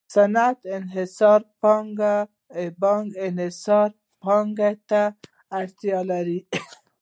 صنعتي انحصاري پانګه بانکي انحصاري پانګې ته اړتیا لري